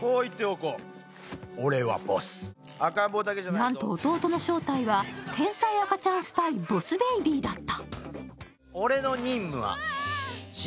なんと弟の正体は天才赤ちゃんスパイ、ボス・ベイビーだった。